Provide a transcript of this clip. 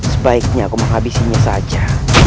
sebaiknya aku menghabisinya saja